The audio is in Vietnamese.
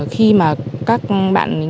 khi mà các bạn